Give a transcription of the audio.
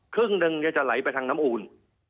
ครึ่งหนึ่งจะไหลไปทางน้ำอูล